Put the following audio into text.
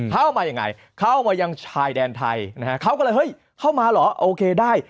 เข้ามายังไงเข้ามายังชายแดนไทยนะฮะเขาก็เลยเฮ้ยเข้ามาเหรอโอเคได้